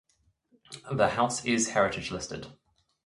The house is heritage-listed.